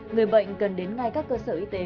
người bệnh cần đến ngay các cơ sở y tế